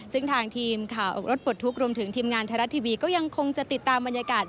ซึ่งทางทีมข่าวออกรถปลดทุกข์รวมถึงทีมงานไทยรัฐทีวีก็ยังคงจะติดตามบรรยากาศ